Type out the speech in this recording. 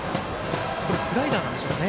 スライダーなんでしょうかね。